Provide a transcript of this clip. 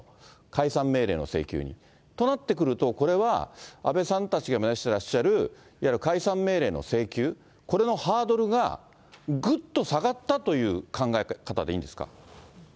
解散命令の請求に、となってくると、これは、阿部さんたちが目指してらっしゃるいわゆる解散命令の請求、これのハードルが、ぐっと下がったという考え方でいいんですか？